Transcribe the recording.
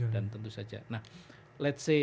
dan tentu saja nah let s say